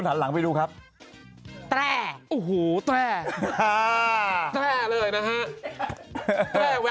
พี่หนุ่มก็รู้จัก